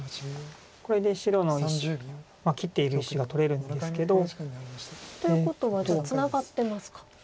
これで白の切っている石が取れるんですけど。ということはじゃあツナがってますか。